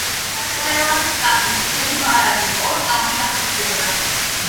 . ყველაზე სწრაფი წითელი ბარათი ორ წამში დაფიქსირდა.